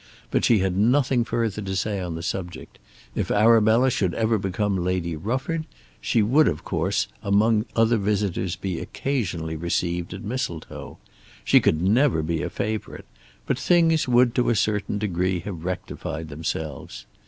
But she had nothing further to say on the subject. If Arabella should ever become Lady Rufford she would of course among other visitors be occasionally received at Mistletoe. She could never be a favourite, but things would to a certain degree have rectified themselves.